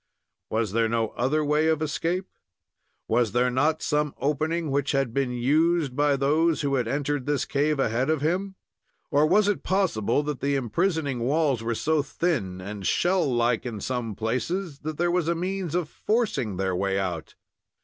Was there no other way of escape? Was there not some opening which had been used by those who had entered this cave ahead of him? Or was it possible that the imprisoning walls were to thin and shell like in some places that there was a means of forcing their way out?